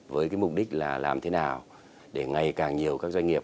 với cái mục đích là làm thế nào để ngày càng nhiều các doanh nghiệp